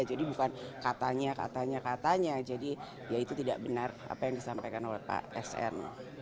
jadi bukan katanya katanya katanya jadi ya itu tidak benar apa yang disampaikan oleh pak sn